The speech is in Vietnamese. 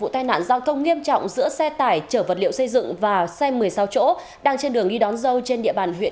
xin chào phương viên nguyễn thùy